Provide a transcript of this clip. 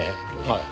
はい。